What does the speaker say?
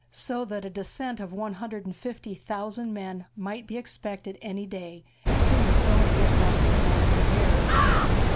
So that a descent of one hundred and fifty thousand men might be expected any day as soon as Boney had brought his plans to bear.